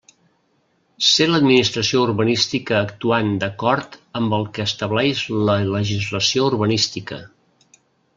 Ser l'Administració urbanística actuant d'acord amb el que estableix la legislació urbanística.